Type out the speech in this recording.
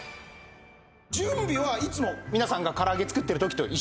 準備はいつも皆さんが唐揚げを作ってる時と一緒です。